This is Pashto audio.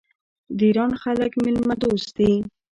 د ایران خلک میلمه دوست دي.